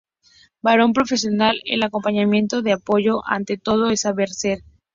Para un profesional, el acompañamiento de apoyo ante todo es saber ser.